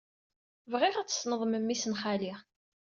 Bɣiɣ ad tessneḍ memmi-s n xali.